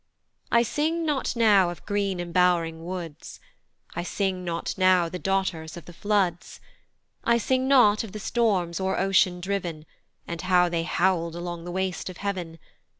I sing not now of green embow'ring woods, I sing not now the daughters of the floods, I sing not of the storms o'er ocean driv'n, And how they howl'd along the waste of heav'n.